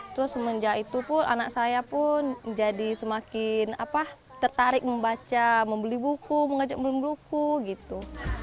terus semenjak itu anak saya pun jadi semakin tertarik membaca membeli buku mengajak memburu buru